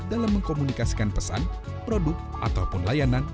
dalam mengkomunikasikan pesan produk ataupun layanan